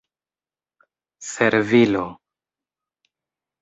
servilo